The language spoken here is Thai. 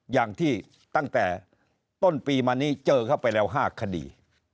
อย่างที่ตั้งแต่ต้นปีมานี้เจอเข้าไปแล้ว๕คดี